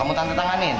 kamu tanda tanganin